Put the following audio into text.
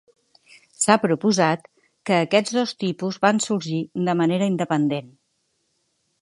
S'ha proposat que aquests dos tipus van sorgir de manera independent.